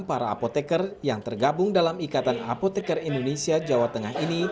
para apotekar yang tergabung dalam ikatan apotekar indonesia jawa tengah ini